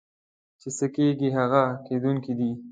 څه چې کېږي هغه کېدونکي دي.